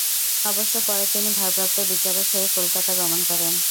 অবশ্য পরে তিনি ভারপ্রাপ্ত বিচারক হয়ে কলকাতা গমন করেন।